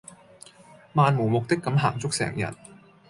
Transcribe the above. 漫無目的咁行足成日